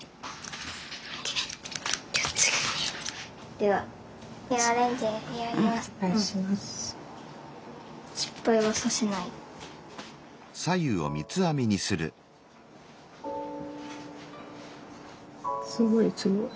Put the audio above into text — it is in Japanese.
ではすごいすごい。